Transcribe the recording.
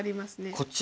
こっち？